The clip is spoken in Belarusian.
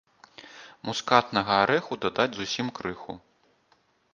Мускатнага арэху дадаць зусім крыху.